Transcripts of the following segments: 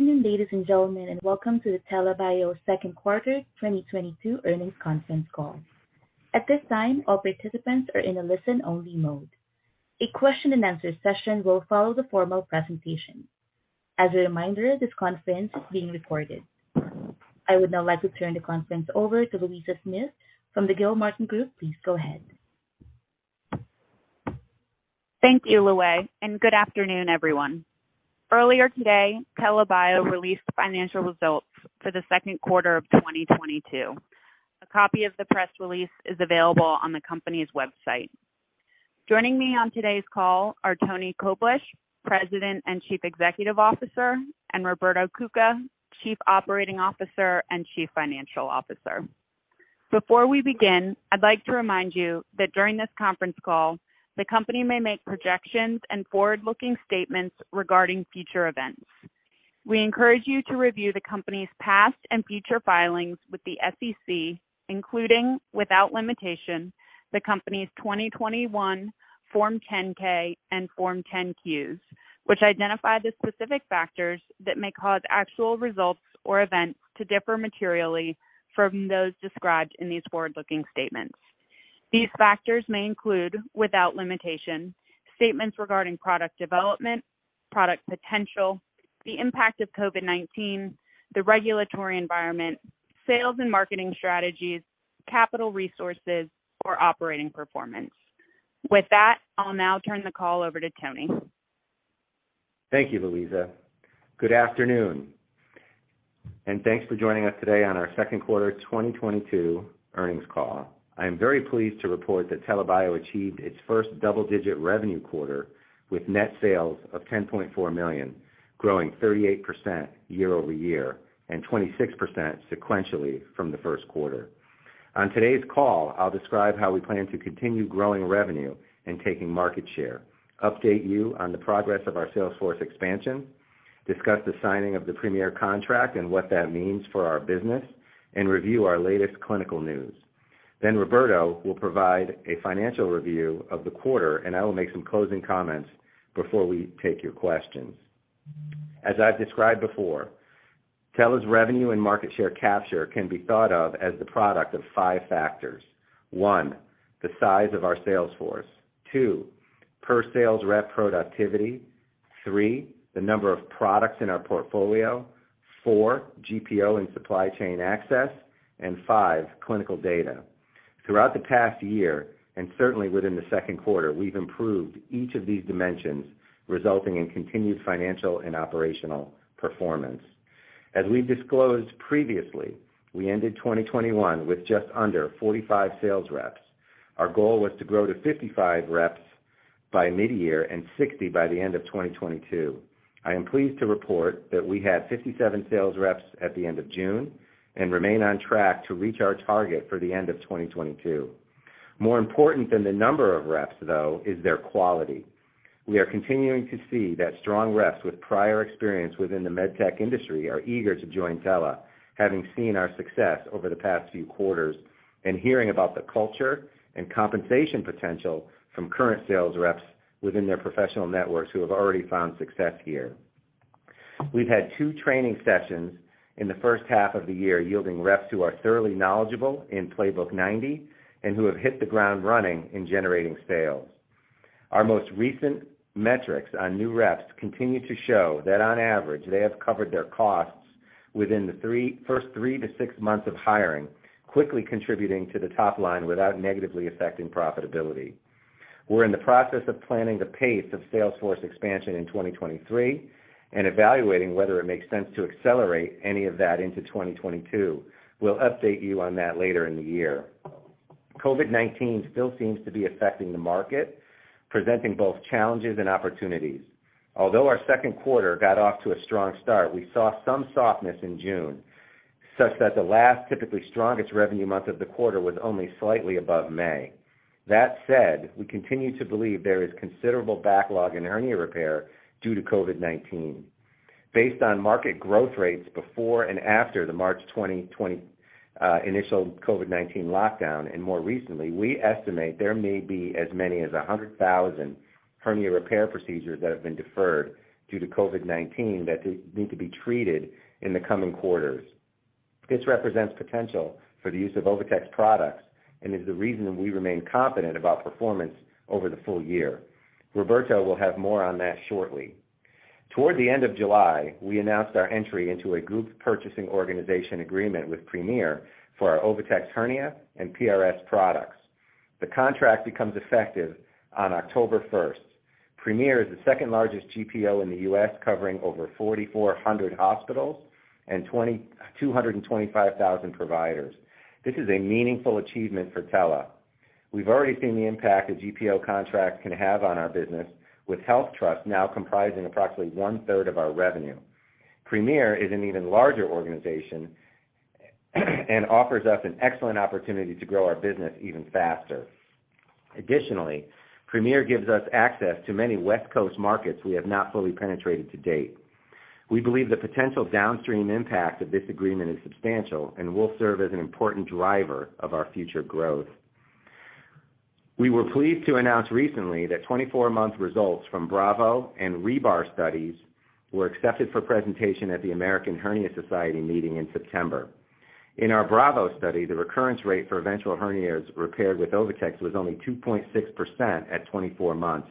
Good afternoon, ladies and gentlemen, and welcome to the TELA Bio second quarter 2022 earnings conference call. At this time, all participants are in a listen-only mode. A Q&A session will follow the formal presentation. As a reminder, this conference is being recorded. I would now like to turn the conference over to Louisa Smith from the Gilmartin Group. Please go ahead. Thank you, Lue, and good afternoon, everyone. Earlier today, TELA Bio released financial results for the second quarter of 2022. A copy of the press release is available on the company's website. Joining me on today's call are Antony Koblish, President and Chief Executive Officer, and Roberto Cuca, Chief Operating Officer and Chief Financial Officer. Before we begin, I'd like to remind you that during this conference call, the company may make projections and forward-looking statements regarding future events. We encourage you to review the company's past and future filings with the SEC, including, without limitation, the company's 2021 Form 10-K and Form 10-Qs, which identify the specific factors that may cause actual results or events to differ materially from those described in these forward-looking statements. These factors may include, without limitation, statements regarding product development, product potential, the impact of COVID-19, the regulatory environment, sales and marketing strategies, capital resources, or operating performance. With that, I'll now turn the call over to Tony. Thank you, Louisa. Good afternoon, and thanks for joining us today on our second quarter 2022 earnings call. I am very pleased to report that TELA Bio achieved its first double-digit revenue quarter with net sales of $10.4 million, growing 38% year-over-year and 26% sequentially from the first quarter. On today's call, I'll describe how we plan to continue growing revenue and taking market share, update you on the progress of our sales force expansion, discuss the signing of the Premier contract and what that means for our business, and review our latest clinical news. Then Roberto will provide a financial review of the quarter, and I will make some closing comments before we take your questions. As I've described before, TELA's revenue and market share capture can be thought of as the product of five factors. One, the size of our sales force. Two, per sales rep productivity. Three, the number of products in our portfolio. Four, GPO and supply chain access. Five, clinical data. Throughout the past year, and certainly within the second quarter, we've improved each of these dimensions, resulting in continued financial and operational performance. As we disclosed previously, we ended 2021 with just under 45 sales reps. Our goal was to grow to 55 reps by mid-year and 60 by the end of 2022. I am pleased to report that we had 57 sales reps at the end of June and remain on track to reach our target for the end of 2022. More important than the number of reps, though, is their quality. We are continuing to see that strong reps with prior experience within the med tech industry are eager to join TELA, having seen our success over the past few quarters and hearing about the culture and compensation potential from current sales reps within their professional networks who have already found success here. We've had two training sessions in the first half of the year, yielding reps who are thoroughly knowledgeable in Playbook 90 and who have hit the ground running in generating sales. Our most recent metrics on new reps continue to show that on average, they have covered their costs within the first three to six months of hiring, quickly contributing to the top line without negatively affecting profitability. We're in the process of planning the pace of sales force expansion in 2023 and evaluating whether it makes sense to accelerate any of that into 2022. We'll update you on that later in the year. COVID-19 still seems to be affecting the market, presenting both challenges and opportunities. Although our second quarter got off to a strong start, we saw some softness in June, such that the last typically strongest revenue month of the quarter was only slightly above May. That said, we continue to believe there is considerable backlog in hernia repair due to COVID-19. Based on market growth rates before and after the March 2020 initial COVID-19 lockdown and more recently, we estimate there may be as many as 100,000 hernia repair procedures that have been deferred due to COVID-19 that need to be treated in the coming quarters. This represents potential for the use of OviTex products and is the reason we remain confident about performance over the full year. Roberto will have more on that shortly. Toward the end of July, we announced our entry into a group purchasing organization agreement with Premier for our OviTex hernia and PRS products. The contract becomes effective on October 1st. Premier is the second-largest GPO in the U.S., covering over 4,400 hospitals and 2,225,000 providers. This is a meaningful achievement for TELA. We've already seen the impact a GPO contract can have on our business, with HealthTrust now comprising approximately 1/3 of our revenue. Premier is an even larger organization and offers us an excellent opportunity to grow our business even faster. Additionally, Premier gives us access to many West Coast markets we have not fully penetrated to date. We believe the potential downstream impact of this agreement is substantial and will serve as an important driver of our future growth. We were pleased to announce recently that 24-month results from BRAVO and REBAR studies were accepted for presentation at the American Hernia Society meeting in September. In our BRAVO study, the recurrence rate for ventral hernias repaired with OviTex was only 2.6% at 24 months,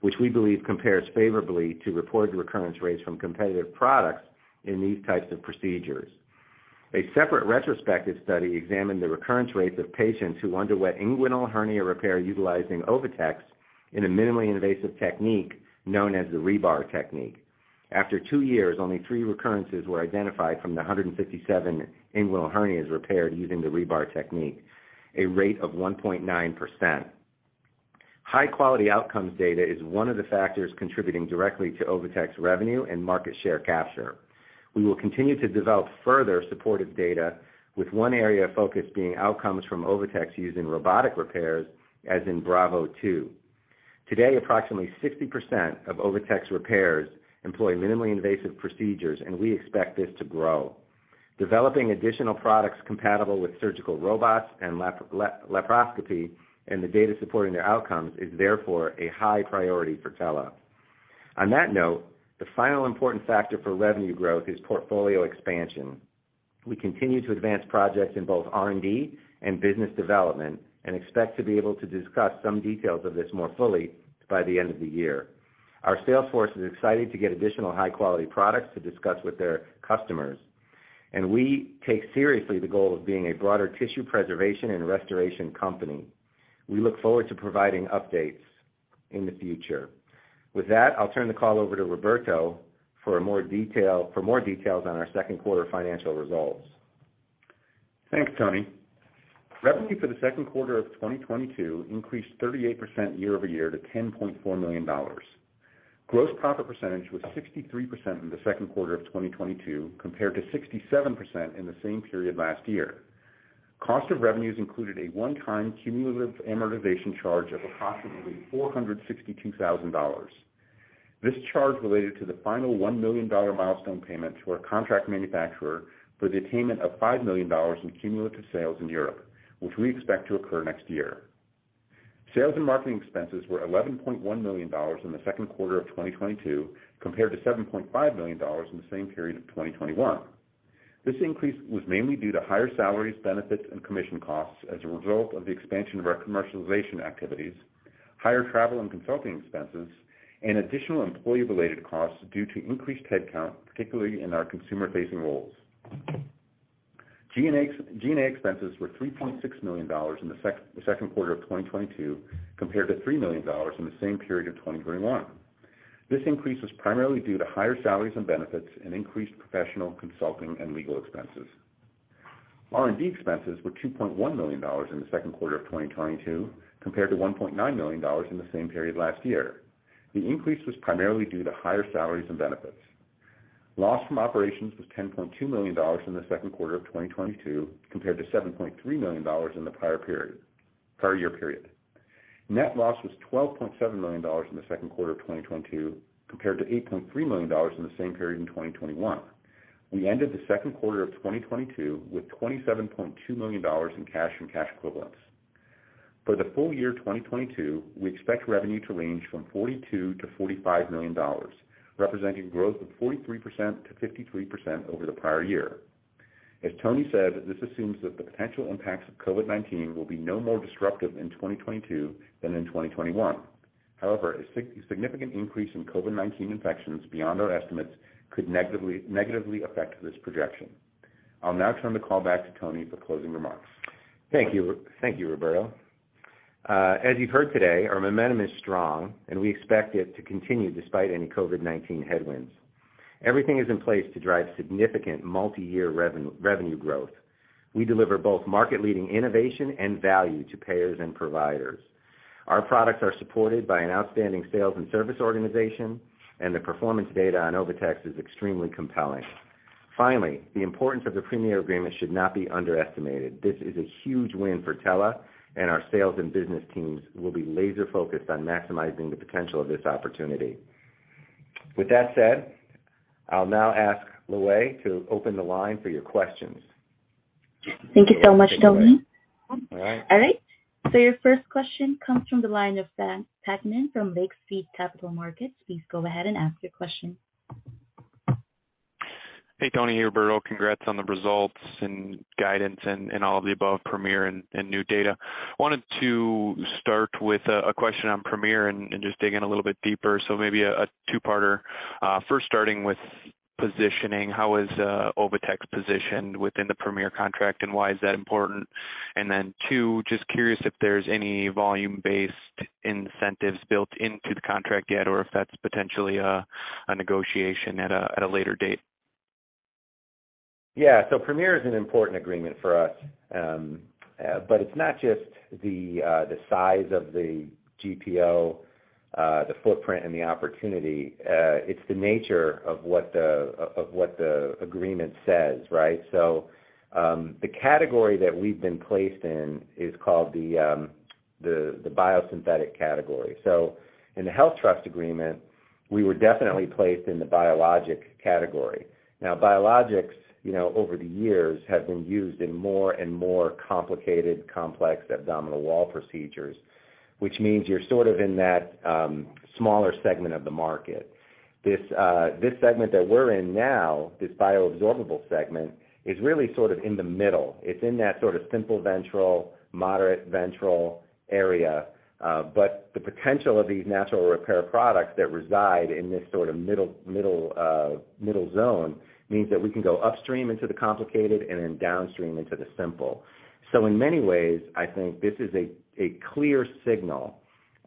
which we believe compares favorably to reported recurrence rates from competitive products in these types of procedures. A separate retrospective study examined the recurrence rates of patients who underwent inguinal hernia repair utilizing OviTex in a minimally invasive technique known as the REBAR technique. After two years, only three recurrences were identified from the 157 inguinal hernias repaired using the REBAR technique, a rate of 1.9%. High-quality outcomes data is one of the factors contributing directly to OviTex revenue and market share capture. We will continue to develop further supportive data with one area of focus being outcomes from OviTex using robotic repairs as in BRAVO II. Today, approximately 60% of OviTex repairs employ minimally invasive procedures, and we expect this to grow. Developing additional products compatible with surgical robots and laparoscopy and the data supporting their outcomes is therefore a high priority for TELA. On that note, the final important factor for revenue growth is portfolio expansion. We continue to advance projects in both R&D and business development and expect to be able to discuss some details of this more fully by the end of the year. Our sales force is excited to get additional high quality products to discuss with their customers, and we take seriously the goal of being a broader tissue preservation and restoration company. We look forward to providing updates in the future. With that, I'll turn the call over to Roberto for more details on our second quarter financial results. Thanks, Tony. Revenue for the second quarter of 2022 increased 38% year-over-year to $10.4 million. Gross profit percentage was 63% in the second quarter of 2022 compared to 67% in the same period last year. Cost of revenues included a one-time cumulative amortization charge of approximately $462,000. This charge related to the final $1 million milestone payment to our contract manufacturer for the attainment of $5 million in cumulative sales in Europe, which we expect to occur next year. Sales and marketing expenses were $11.1 million in the second quarter of 2022 compared to $7.5 million in the same period of 2021. This increase was mainly due to higher salaries, benefits and commission costs as a result of the expansion of our commercialization activities, higher travel and consulting expenses, and additional employee related costs due to increased head count, particularly in our consumer facing roles. G&A expenses were $3.6 million in the second quarter of 2022 compared to $3 million in the same period of 2021. This increase was primarily due to higher salaries and benefits and increased professional consulting and legal expenses. R&D expenses were $2.1 million in the second quarter of 2022 compared to $1.9 million in the same period last year. The increase was primarily due to higher salaries and benefits. Loss from operations was $10.2 million in the second quarter of 2022 compared to $7.3 million in the prior year period. Net loss was $12.7 million in the second quarter of 2022 compared to $8.3 million in the same period in 2021. We ended the second quarter of 2022 with $27.2 million in cash and cash equivalents. For the full year 2022, we expect revenue to range from $42-$45 million, representing growth of 43%-53% over the prior year. As Tony said, this assumes that the potential impacts of COVID-19 will be no more disruptive in 2022 than in 2021. However, a significant increase in COVID-19 infections beyond our estimates could negatively affect this projection. I'll now turn the call back to Tony for closing remarks. Thank you. Thank you, Roberto. As you've heard today, our momentum is strong, and we expect it to continue despite any COVID-19 headwinds. Everything is in place to drive significant multiyear revenue growth. We deliver both market leading innovation and value to payers and providers. Our products are supported by an outstanding sales and service organization, and the performance data on OviTex is extremely compelling. Finally, the importance of the Premier agreement should not be underestimated. This is a huge win for TELA, and our sales and business teams will be laser focused on maximizing the potential of this opportunity. With that said, I'll now ask Louay to open the line for your questions. Thank you so much, Tony. All right. All right. Your first question comes from the line of Frank Takkinen from Lake Street Capital Markets. Please go ahead and ask your question. Hey, Tony, Roberto, congrats on the results and guidance and all of the above, Premier, and new data. Wanted to start with a question on Premier and just dig in a little bit deeper. Maybe a two-parter. First starting with positioning. How is OviTex positioned within the Premier contract, and why is that important? Then two, just curious if there's any volume-based incentives built into the contract yet or if that's potentially a negotiation at a later date. Yeah. Premier is an important agreement for us. It's not just the size of the GPO, the footprint and the opportunity. It's the nature of what the agreement says, right? The category that we've been placed in is called the biosynthetic category. In the HealthTrust agreement we were definitely placed in the biologic category. Now biologics, you know, over the years have been used in more and more complicated, complex abdominal wall procedures, which means you're sort of in that smaller segment of the market. This segment that we're in now, this bioabsorbable segment, is really sort of in the middle. It's in that sort of simple ventral, moderate ventral area. The potential of these natural repair products that reside in this sort of middle zone means that we can go upstream into the complicated and then downstream into the simple. In many ways, I think this is a clear signal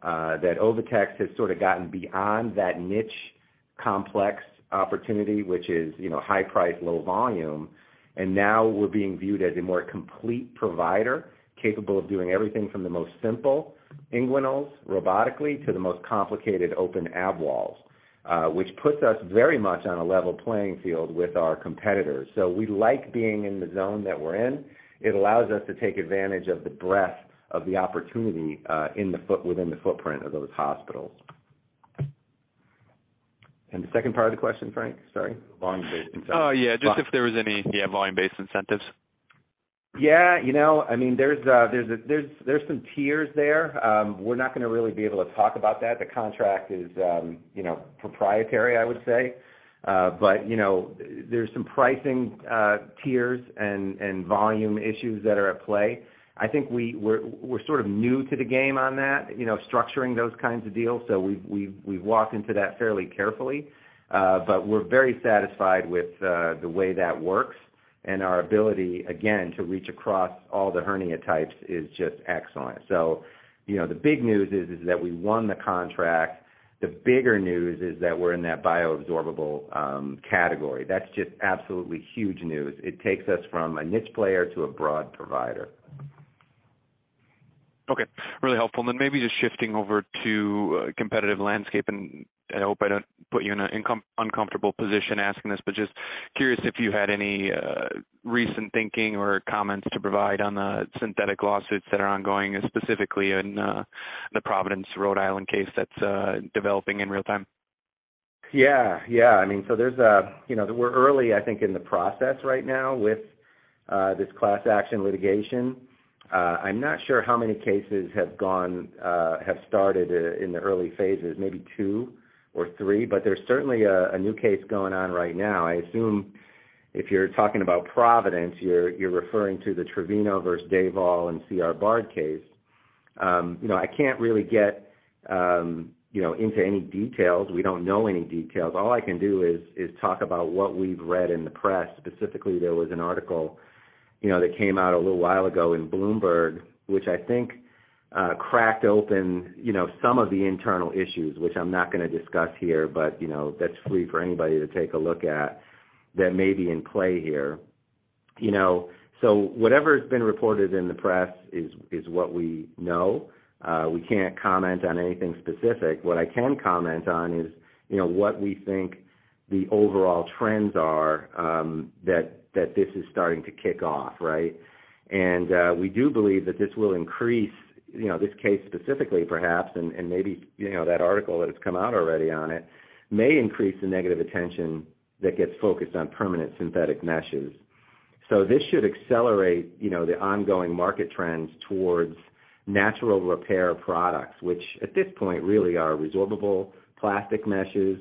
that OviTex has sort of gotten beyond that niche complex opportunity, which is, you know, high price, low volume. Now we're being viewed as a more complete provider capable of doing everything from the most simple inguinals robotically to the most complicated open ab walls, which puts us very much on a level playing field with our competitors. We like being in the zone that we're in. It allows us to take advantage of the breadth of the opportunity within the footprint of those hospitals. The second part of the question, Frank, sorry? Volume-based incentives. Yeah. You know, I mean, there's some tiers there. We're not gonna really be able to talk about that. The contract is, you know, proprietary, I would say. You know, there's some pricing tiers and volume issues that are at play. I think we're sort of new to the game on that, you know, structuring those kinds of deals. We've walked into that fairly carefully. We're very satisfied with the way that works, and our ability, again, to reach across all the hernia types is just excellent. You know, the big news is that we won the contract. The bigger news is that we're in that bioabsorbable category. That's just absolutely huge news. It takes us from a niche player to a broad provider. Okay. Really helpful. Maybe just shifting over to competitive landscape, and I hope I don't put you in an uncomfortable position asking this, but just curious if you had any recent thinking or comments to provide on the synthetic lawsuits that are ongoing, specifically in the Providence, Rhode Island case that's developing in real time. Yeah. Yeah. I mean, there's you know, we're early, I think, in the process right now with this class action litigation. I'm not sure how many cases have started in the early phases, maybe two or three, but there's certainly a new case going on right now. I assume if you're talking about Providence, you're referring to the Trevino v. Davol Inc. and C.R. Bard Inc. case. You know, I can't really get, you know, into any details. We don't know any details. All I can do is talk about what we've read in the press. Specifically, there was an article, you know, that came out a little while ago in Bloomberg, which I think cracked open, you know, some of the internal issues, which I'm not gonna discuss here, but, you know, that's free for anybody to take a look at that may be in play here. You know, so whatever has been reported in the press is what we know. We can't comment on anything specific. What I can comment on is, you know, what we think the overall trends are, that this is starting to kick off, right? We do believe that this will increase, you know, this case specifically perhaps, and maybe, you know, that article that has come out already on it may increase the negative attention that gets focused on permanent synthetic meshes. This should accelerate, you know, the ongoing market trends towards natural repair products, which at this point really are resorbable plastic meshes,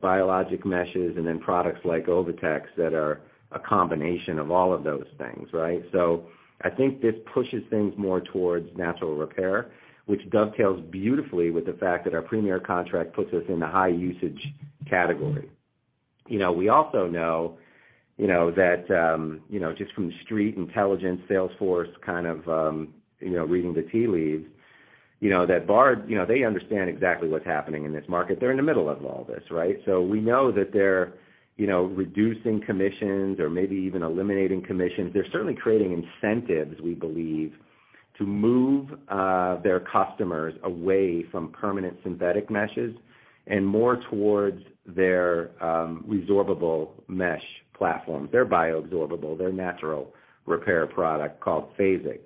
biologic meshes, and then products like OviTex that are a combination of all of those things, right? I think this pushes things more towards natural repair, which dovetails beautifully with the fact that our Premier contract puts us in the high usage category. You know, we also know, you know, that, you know, just from the street intelligence, sales force kind of, you know, reading the tea leaves, you know, that Bard, you know, they understand exactly what's happening in this market. They're in the middle of all this, right? We know that they're, you know, reducing commissions or maybe even eliminating commissions. They're certainly creating incentives, we believe, to move, their customers away from permanent synthetic meshes and more towards their, resorbable mesh platform, their bioabsorbable, their natural repair product called Phasix.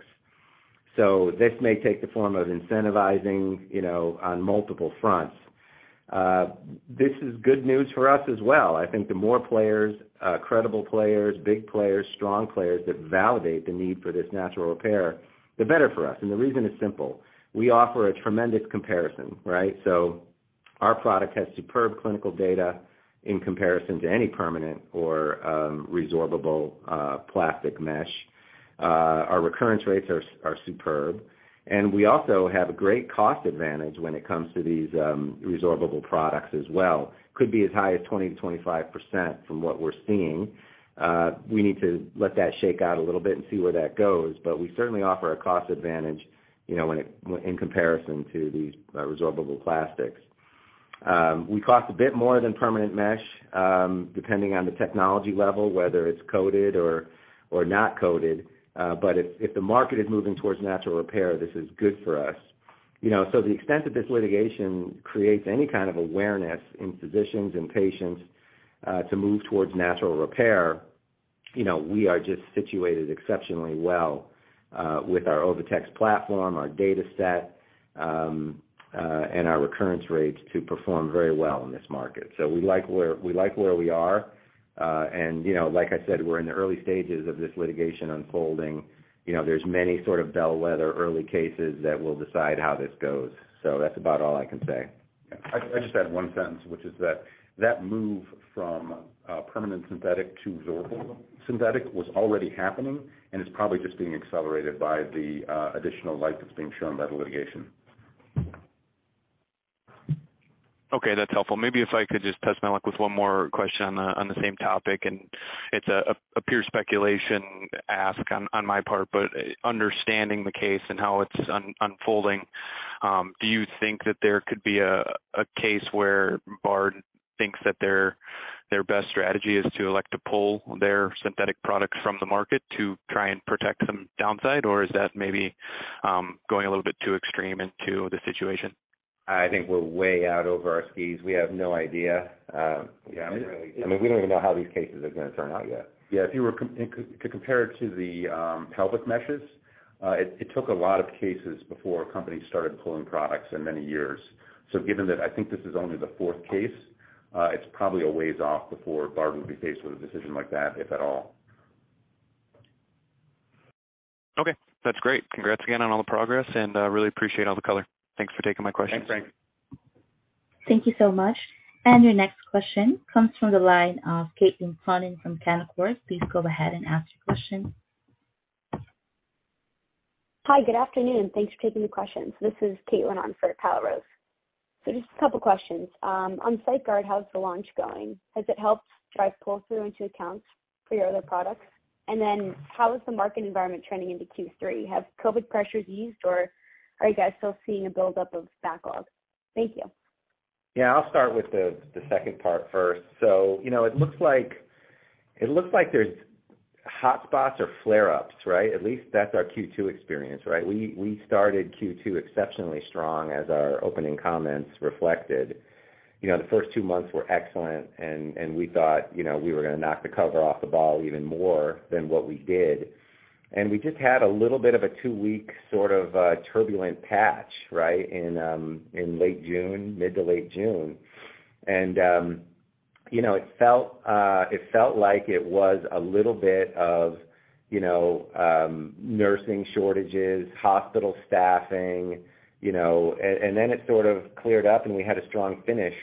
This may take the form of incentivizing, you know, on multiple fronts. This is good news for us as well. I think the more players, credible players, big players, strong players that validate the need for this natural repair, the better for us. The reason is simple. We offer a tremendous comparison, right? Our product has superb clinical data in comparison to any permanent or, resorbable, plastic mesh. Our recurrence rates are superb. We also have a great cost advantage when it comes to these, resorbable products as well. Could be as high as 20%-25% from what we're seeing. We need to let that shake out a little bit and see where that goes, but we certainly offer a cost advantage, you know, in comparison to these resorbable plastics. We cost a bit more than permanent mesh, depending on the technology level, whether it's coated or not coated. But if the market is moving towards natural repair, this is good for us. You know, to the extent that this litigation creates any kind of awareness in physicians and patients to move towards natural repair. You know, we are just situated exceptionally well with our OviTex platform, our data set, and our recurrence rates to perform very well in this market. So we like where we are. You know, like I said, we're in the early stages of this litigation unfolding. You know, there's many sort of bellwether early cases that will decide how this goes. That's about all I can say. I'd just add one sentence, which is that move from permanent synthetic to absorbable synthetic was already happening, and it's probably just being accelerated by the additional light that's being shown by the litigation. Okay, that's helpful. Maybe if I could just test my luck with one more question on the same topic, and it's a pure speculation ask on my part. Understanding the case and how it's unfolding, do you think that there could be a case where Bard thinks that their best strategy is to elect to pull their synthetic products from the market to try and protect some downside? Or is that maybe going a little bit too extreme into the situation? I think we're way out over our skis. We have no idea. Yeah, I mean, we don't even know how these cases are gonna turn out yet. Yeah. If you were to compare it to the pelvic meshes, it took a lot of cases before companies started pulling products in many years. Given that I think this is only the fourth case, it's probably a ways off before Bard would be faced with a decision like that, if at all. Okay. That's great. Congrats again on all the progress, and really appreciate all the color. Thanks for taking my questions. Thanks, Frank. Thank you so much. Your next question comes from the line of Caitlin Cronin from Canaccord. Please go ahead and ask your question. Hi. Good afternoon. Thanks for taking the questions. This is Caitlin on for Kyle Rose. Just a couple questions. On SiteGuard, how's the launch going? Has it helped drive pull-through into accounts for your other products? And then how is the market environment trending into Q3? Have COVID pressures eased, or are you guys still seeing a build up of backlog? Thank you. Yeah, I'll start with the second part first. You know, it looks like there's hotspots or flare-ups, right? At least that's our Q2 experience, right? We started Q2 exceptionally strong as our opening comments reflected. You know, the first two months were excellent and we thought, you know, we were gonna knock the cover off the ball even more than what we did. We just had a little bit of a two-week sort of turbulent patch, right? In late June, mid to late June. You know, it felt like it was a little bit of, you know, nursing shortages, hospital staffing, you know. It sort of cleared up, and we had a strong finish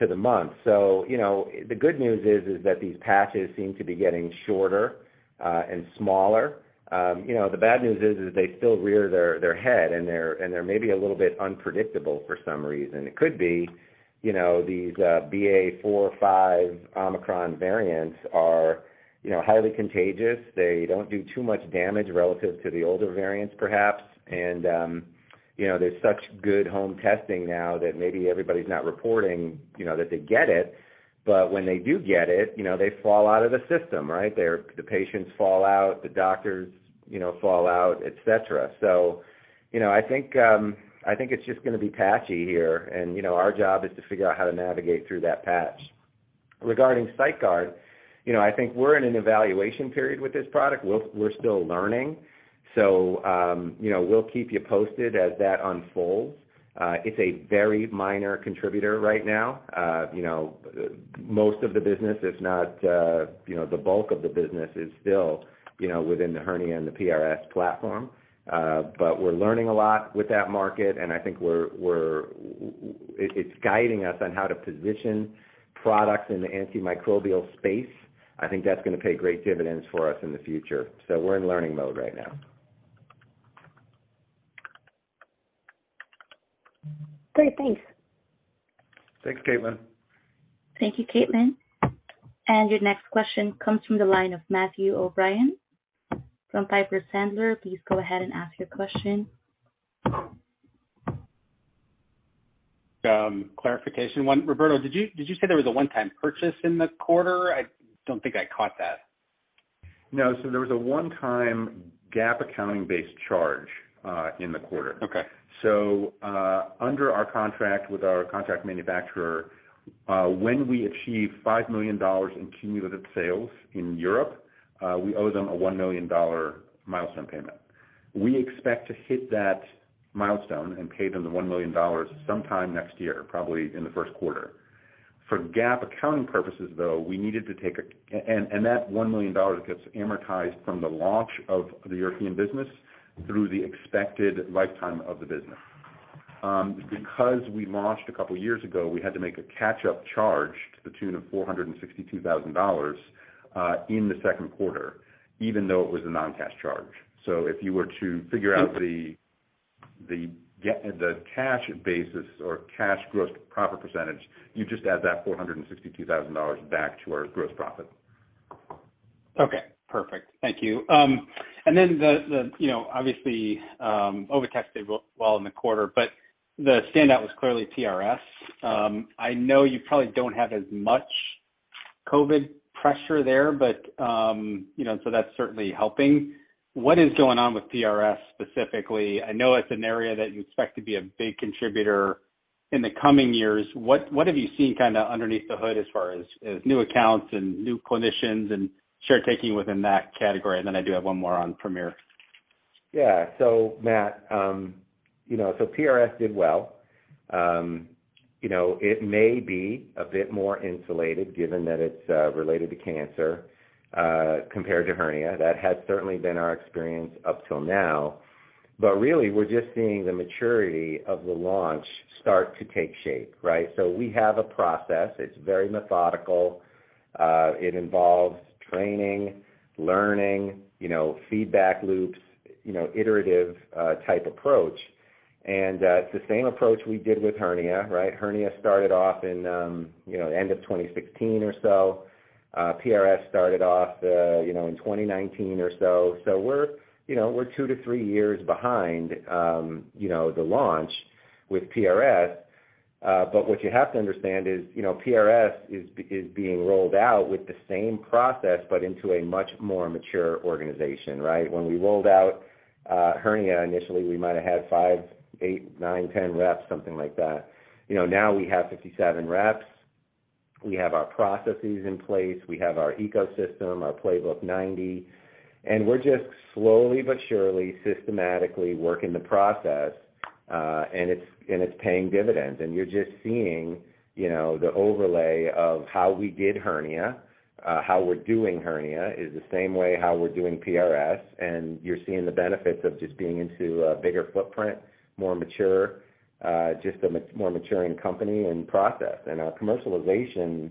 to the month. You know, the good news is that these patches seem to be getting shorter and smaller. You know, the bad news is they still rear their head, and they're maybe a little bit unpredictable for some reason. It could be, you know, these BA.4 and BA.5 Omicron variants are, you know, highly contagious. They don't do too much damage relative to the older variants, perhaps. You know, there's such good home testing now that maybe everybody's not reporting, you know, that they get it. When they do get it, you know, they fall out of the system, right? The patients fall out, the doctors, you know, fall out, et cetera. You know, I think it's just gonna be patchy here. You know, our job is to figure out how to navigate through that patch. Regarding SiteGuard, you know, I think we're in an evaluation period with this product. We're still learning. You know, we'll keep you posted as that unfolds. It's a very minor contributor right now. You know, most of the business, if not, you know, the bulk of the business is still, you know, within the hernia and the PRS platform. But we're learning a lot with that market, and I think we're—it's guiding us on how to position products in the antimicrobial space. I think that's gonna pay great dividends for us in the future. We're in learning mode right now. Great. Thanks. Thanks, Caitlin. Thank you, Caitlin. Your next question comes from the line of Matthew O'Brien from Piper Sandler. Please go ahead and ask your question. Clarification one. Roberto, did you say there was a one-time purchase in the quarter? I don't think I caught that. No. There was a one-time GAAP accounting-based charge in the quarter. Okay. Under our contract with our contract manufacturer, when we achieve $5 million in cumulative sales in Europe, we owe them a $1 million milestone payment. We expect to hit that milestone and pay them the $1 million sometime next year, probably in the first quarter. For GAAP accounting purposes, though, we needed to take, and that $1 million gets amortized from the launch of the European business through the expected lifetime of the business. Because we launched a couple years ago, we had to make a catch-up charge to the tune of $462,000 in the second quarter, even though it was a non-cash charge. If you were to figure out the cash basis or cash gross profit percentage, you just add that $462,000 back to our gross profit. Okay. Perfect. Thank you. The you know, obviously, OviTex did well in the quarter, but the standout was clearly PRS. I know you probably don't have as much COVID pressure there, but you know, so that's certainly helping. What is going on with PRS specifically? I know it's an area that you expect to be a big contributor in the coming years. What have you seen kinda underneath the hood as far as new accounts and new clinicians and share taking within that category? And then I do have one more on Premier. Yeah. Matt, you know, PRS did well. You know, it may be a bit more insulated given that it's related to cancer compared to hernia. That has certainly been our experience up till now. Really, we're just seeing the maturity of the launch start to take shape, right? We have a process. It's very methodical. It involves training, learning, you know, feedback loops, you know, iterative type approach. It's the same approach we did with hernia, right? Hernia started off in, you know, end of 2016 or so. PRS started off, you know, in 2019 or so. We're, you know, two to three years behind, you know, the launch with PRS. What you have to understand is, you know, PRS is being rolled out with the same process, but into a much more mature organization, right? When we rolled out, hernia initially, we might have had five, eight, nine, 10 reps, something like that. You know, now we have 57 reps. We have our processes in place. We have our ecosystem, our Playbook 90. We're just slowly but surely, systematically working the process, and it's paying dividends. You're just seeing, you know, the overlay of how we did hernia, how we're doing hernia is the same way how we're doing PRS, and you're seeing the benefits of just being into a bigger footprint, more mature, just a more maturing company and process. Our commercialization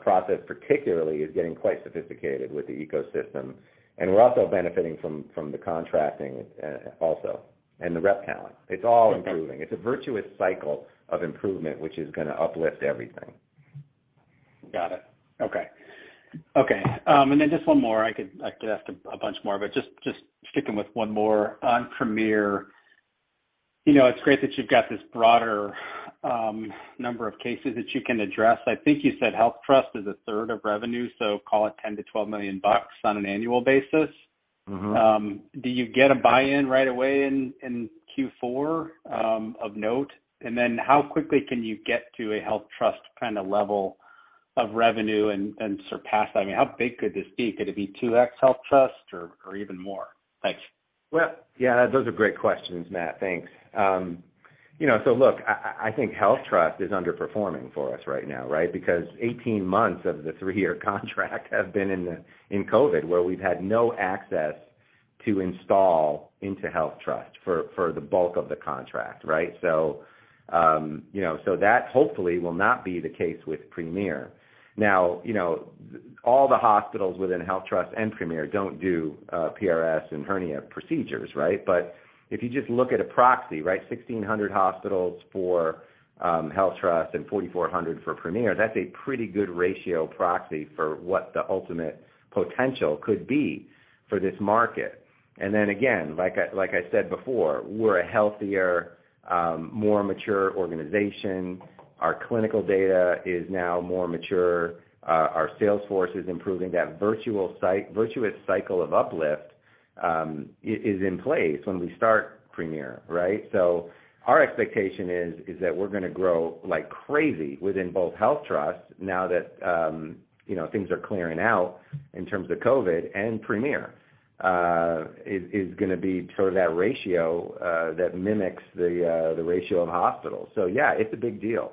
process particularly is getting quite sophisticated with the ecosystem. We're also benefiting from the contracting, also, and the rep talent. It's all improving. It's a virtuous cycle of improvement which is gonna uplift everything. Got it. Okay. Then just one more. I could ask a bunch more, but just sticking with one more on Premier. You know, it's great that you've got this broader number of cases that you can address. I think you said HealthTrust is a third of revenue, so call it $10 million-$12 million on an annual basis. Mm-hmm. Do you get a buy-in right away in Q4, of note? Then how quickly can you get to a HealthTrust kinda level of revenue and surpass that? I mean, how big could this be? Could it be 2x HealthTrust or even more? Thanks. Well, yeah. Those are great questions, Matt. Thanks. You know, so look, I think HealthTrust is underperforming for us right now, right? Because 18 months of the three-year contract have been in COVID, where we've had no access to install into HealthTrust for the bulk of the contract, right? You know, that hopefully will not be the case with Premier. Now, you know, all the hospitals within HealthTrust and Premier don't do PRS and hernia procedures, right? If you just look at a proxy, right, 1,600 hospitals for HealthTrust and 4,400 for Premier, that's a pretty good ratio proxy for what the ultimate potential could be for this market. Again, like I said before, we're a healthier, more mature organization. Our clinical data is now more mature. Our sales force is improving. That virtuous cycle of uplift is in place when we start Premier, right? Our expectation is that we're gonna grow like crazy within both HealthTrust now that, you know, things are clearing out in terms of COVID and Premier is gonna be sort of that ratio that mimics the ratio of hospitals. Yeah, it's a big deal.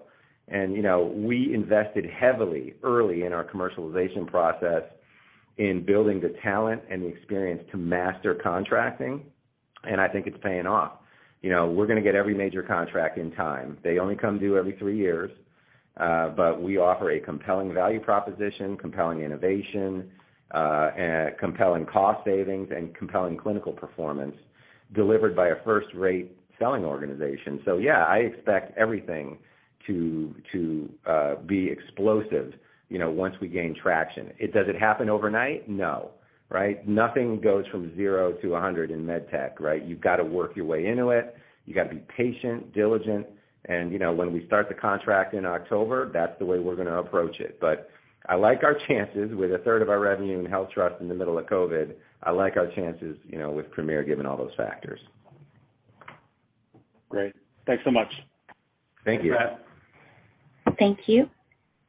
You know, we invested heavily early in our commercialization process in building the talent and the experience to master contracting, and I think it's paying off. You know, we're gonna get every major contract in time. They only come due every three years, but we offer a compelling value proposition, compelling innovation, compelling cost savings, and compelling clinical performance delivered by a first-rate selling organization. Yeah, I expect everything to be explosive, you know, once we gain traction. Does it happen overnight? No, right? Nothing goes from zero to 100 in med tech, right? You've got to work your way into it. You got to be patient, diligent. You know, when we start the contract in October, that's the way we're gonna approach it. I like our chances with 1/3 of our revenue in HealthTrust in the middle of COVID. I like our chances, you know, with Premier, given all those factors. Great. Thanks so much. Thank you. Thanks, Matt. Thank you.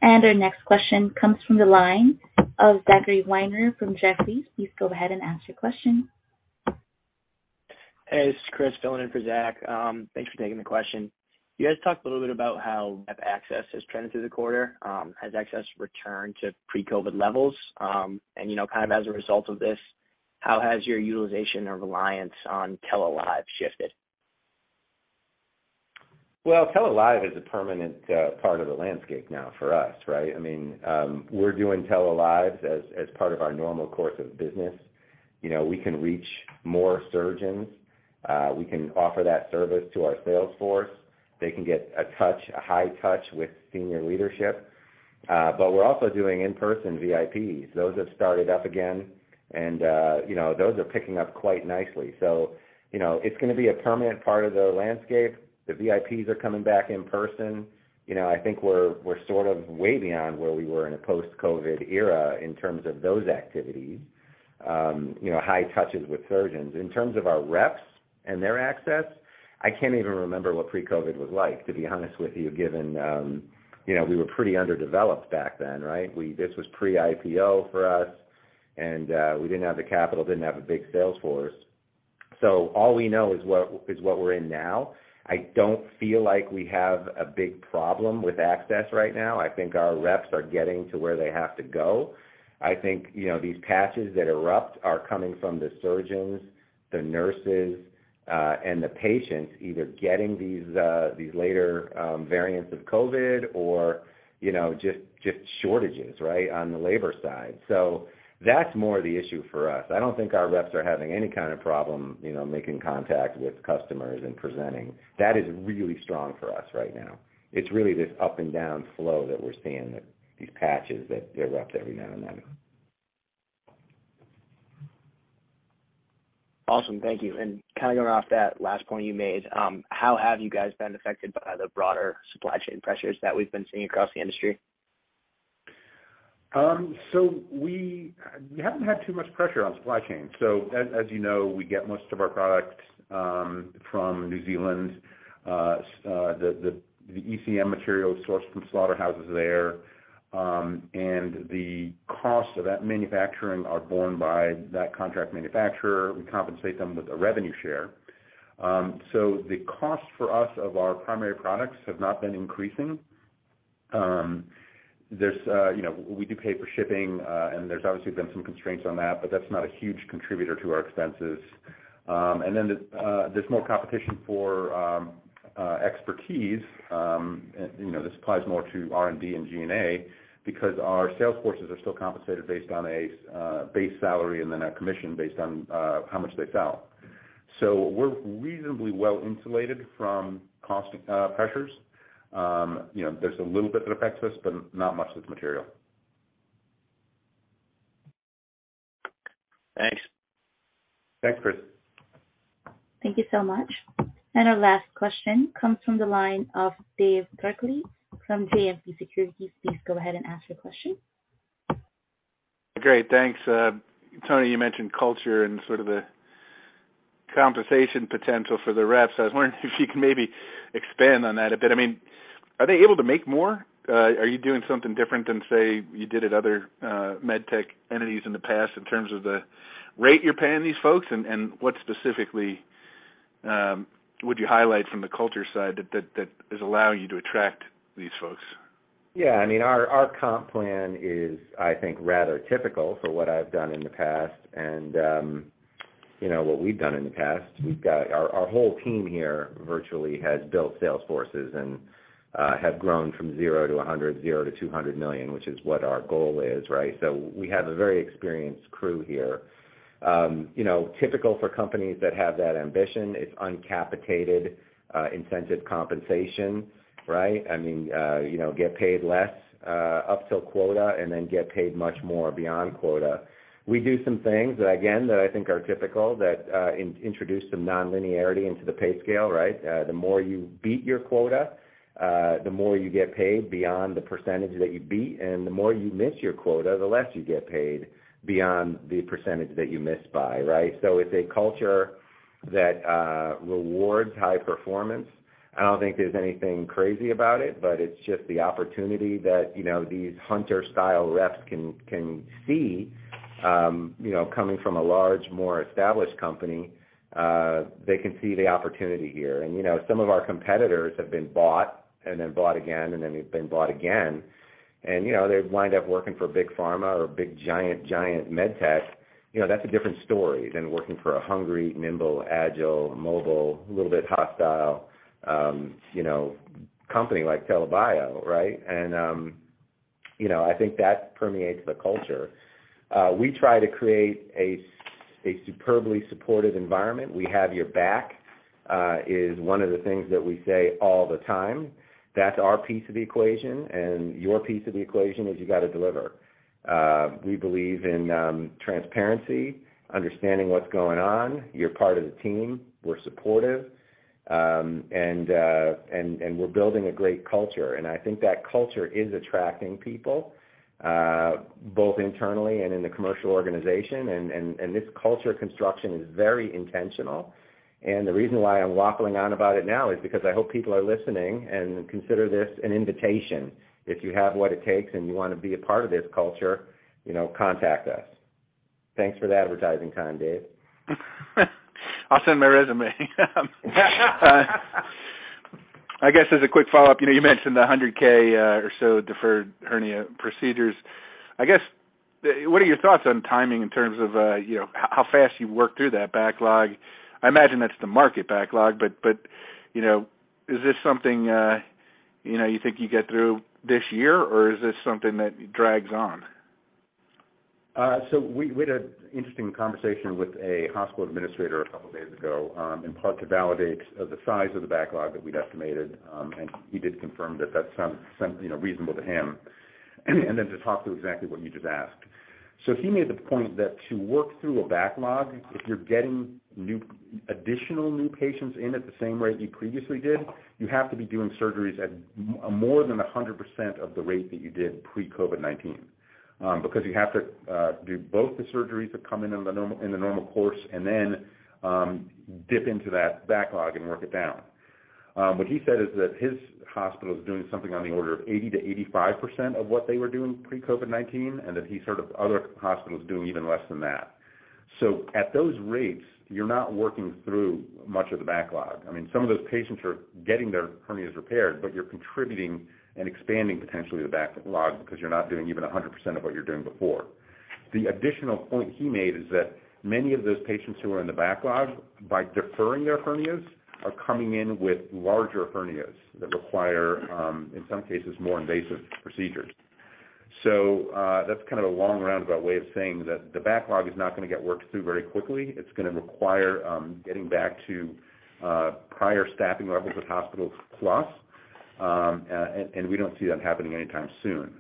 Our next question comes from the line of Zachary Weiner from Jefferies. Please go ahead and ask your question. Hey, this is Chris filling in for Zach. Thanks for taking the question. You guys talked a little bit about how rep access has trended through the quarter. Has rep access returned to pre-COVID levels? You know, kind of as a result of this, how has your utilization or reliance on TELA Live shifted? Well, TELA Live is a permanent, part of the landscape now for us, right? I mean, we're doing TELA Lives as part of our normal course of business. You know, we can reach more surgeons. We can offer that service to our sales force. They can get a touch, a high touch with senior leadership. We're also doing in-person VIPs. Those have started up again and, you know, those are picking up quite nicely. You know, it's gonna be a permanent part of the landscape. The VIPs are coming back in person. You know, I think we're sort of way beyond where we were in a post-COVID era in terms of those activities. You know, high touches with surgeons. In terms of our reps and their access, I can't even remember what pre-COVID was like, to be honest with you, given, you know, we were pretty underdeveloped back then, right? This was pre-IPO for us, and, we didn't have the capital, didn't have a big sales force. All we know is what we're in now. I don't feel like we have a big problem with access right now. I think our reps are getting to where they have to go. I think, you know, these patches that rupture are coming from the surgeons, the nurses, and the patients either getting these later variants of COVID or, you know, just shortages, right, on the labor side. That's more the issue for us. I don't think our reps are having any kind of problem, you know, making contact with customers and presenting. That is really strong for us right now. It's really this up and down flow that we're seeing, these patches that erupt every now and then. Awesome. Thank you. Kinda going off that last point you made, how have you guys been affected by the broader supply chain pressures that we've been seeing across the industry? We haven't had too much pressure on supply chain. As you know, we get most of our products from New Zealand. The ECM material is sourced from slaughterhouses there, and the costs of that manufacturing are borne by that contract manufacturer. We compensate them with a revenue share. The cost for us of our primary products have not been increasing. There's you know, we do pay for shipping, and there's obviously been some constraints on that, but that's not a huge contributor to our expenses. There's more competition for expertise, and you know, this applies more to R&D and G&A because our sales forces are still compensated based on a base salary and then a commission based on how much they sell. We're reasonably well insulated from cost pressures. You know, there's a little bit that affects us, but not much that's material. Thanks. Thanks, Chris. Thank you so much. Our last question comes from the line of David Turkaly from JMP Securities. Please go ahead and ask your question. Great. Thanks. Tony, you mentioned culture and sort of the compensation potential for the reps. I was wondering if you can maybe expand on that a bit. I mean, are they able to make more? Are you doing something different than, say, you did at other, med tech entities in the past in terms of the rate you're paying these folks? What specifically would you highlight from the culture side that is allowing you to attract these folks? Yeah, I mean, our comp plan is, I think, rather typical for what I've done in the past and, you know, what we've done in the past. We've got. Our whole team here virtually has built sales forces and have grown from zero to 100, zero to $200 million, which is what our goal is, right? We have a very experienced crew here. You know, typical for companies that have that ambition, it's uncapped incentive compensation, right? I mean, you know, get paid less up till quota and then get paid much more beyond quota. We do some things that, again, I think are typical that introduce some nonlinearity into the pay scale, right? The more you beat your quota, the more you get paid beyond the percentage that you beat, and the more you miss your quota, the less you get paid beyond the percentage that you missed by, right? It's a culture that rewards high performance. I don't think there's anything crazy about it, but it's just the opportunity that, you know, these hunter-style reps can see, you know, coming from a large, more established company, they can see the opportunity here. You know, some of our competitors have been bought and then bought again, and then they've been bought again. You know, they wind up working for big pharma or big, giant med tech. You know, that's a different story than working for a hungry, nimble, agile, mobile, little bit hostile, you know, company like TELA Bio, right? You know, I think that permeates the culture. We try to create a superbly supportive environment. We have your back is one of the things that we say all the time. That's our piece of the equation, and your piece of the equation is you gotta deliver. We believe in transparency, understanding what's going on. You're part of the team. We're supportive. We're building a great culture. I think that culture is attracting people both internally and in the commercial organization. This culture construction is very intentional. The reason why I'm waffling on about it now is because I hope people are listening and consider this an invitation. If you have what it takes and you wanna be a part of this culture, you know, contact us. Thanks for the introduction, Dave. I'll send my resume. I guess as a quick follow-up, you know, you mentioned the 100,000 or so deferred hernia procedures. What are your thoughts on timing in terms of, you know, how fast you work through that backlog? I imagine that's the market backlog, but, you know, is this something, you know, you think you get through this year, or is this something that drags on? We had an interesting conversation with a hospital administrator a couple of days ago, in part to validate the size of the backlog that we'd estimated. He did confirm that that sounds, you know, reasonable to him, and then to talk through exactly what you just asked. He made the point that to work through a backlog, if you're getting additional new patients in at the same rate you previously did, you have to be doing surgeries at more than 100% of the rate that you did pre-COVID-19. Because you have to do both the surgeries that come in in the normal course and then dip into that backlog and work it down. What he said is that his hospital is doing something on the order of 80%-85% of what they were doing pre-COVID-19, and that he's heard of other hospitals doing even less than that. At those rates, you're not working through much of the backlog. I mean, some of those patients are getting their hernias repaired, but you're contributing and expanding potentially the backlog because you're not doing even 100% of what you were doing before. The additional point he made is that many of those patients who are in the backlog, by deferring their hernias, are coming in with larger hernias that require, in some cases, more invasive procedures. That's kind of a long roundabout way of saying that the backlog is not gonna get worked through very quickly. It's gonna require getting back to prior staffing levels at hospitals plus and we don't see that happening anytime soon.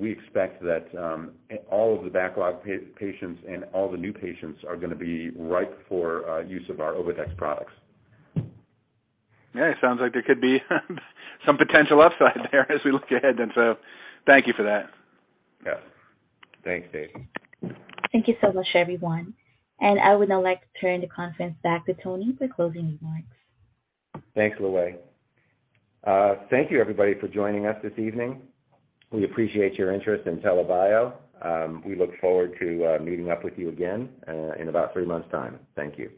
We expect that all of the backlog patients and all the new patients are gonna be ripe for use of our OviTex products. Yeah, it sounds like there could be some potential upside there as we look ahead. Thank you for that. Yeah. Thanks, Dave. Thank you so much, everyone. I would now like to turn the conference back to Tony for closing remarks. Thanks, Louay. Thank you everybody for joining us this evening. We appreciate your interest in TELA Bio. We look forward to meeting up with you again in about three months' time. Thank you.